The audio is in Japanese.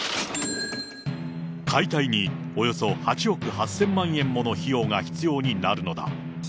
解体におよそ８億８０００万円もの費用が必要になるのだ。